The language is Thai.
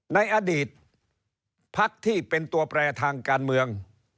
ในอดีตพักที่เป็นตัวแปรทางการเมือง